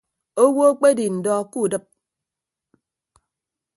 Owo akpedi ndọ kudịp.